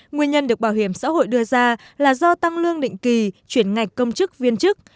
nguyên nhân được bảo hiểm xã hội đưa ra là do tăng lương định kỳ chuyển ngạch công chức viên chức